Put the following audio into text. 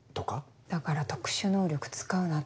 だから特殊能力使うなって。